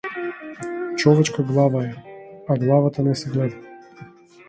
Човечка глава е, а главата не се гледа.